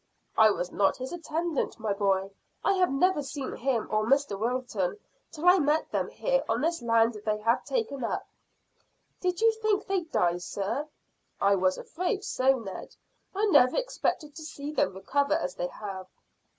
"I was not his attendant, my boy. I had never seen him or Mr Wilton till I met them here on this land they have taken up." "Did you think they'd die, sir?" "I was afraid so, Ned. I never expected to see them recover as they have."